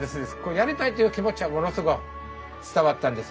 やりたいという気持ちはものすごい伝わったんですよね。